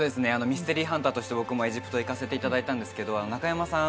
ミステリーハンターとして僕もエジプト行かせていただいたんですけど中山さん